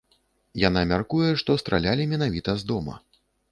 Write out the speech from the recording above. Яна мяркуе, што стралялі менавіта з дома.